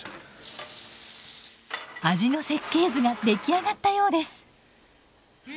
味の設計図が出来上がったようです。